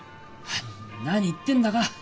何言ってんだか。